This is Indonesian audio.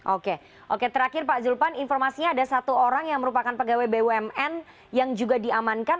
oke oke terakhir pak zulpan informasinya ada satu orang yang merupakan pegawai bumn yang juga diamankan